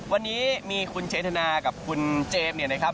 วันนี้มีคุณเชษฐณากับคุณเจฟนะครับ